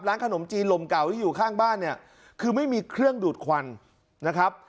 ขนมจีนลมเก่าที่อยู่ข้างบ้านเนี่ยคือไม่มีเครื่องดูดควันนะครับ